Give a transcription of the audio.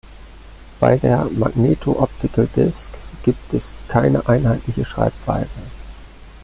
Bei der Magneto-Optical Disc gibt es keine einheitliche Schreibweise.